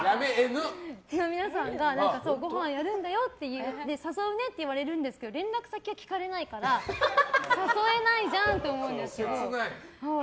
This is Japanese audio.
皆さんがごはんやるんだよって言って誘うねって言われるんですけど連絡先は聞かれないから誘えないじゃんって思うんです。